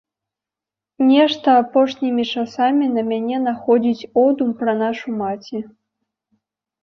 Нешта апошнімі часамі на мяне находзіць одум пра нашу маці.